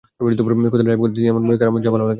খোদা, ড্রাইভ করতে জানে এমন মেয়েকে আমার যা ভালো লাগে!